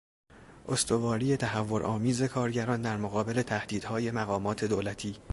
استواری تهورآمیز کارگران در مقابل تهدیدهای مقامات دولتی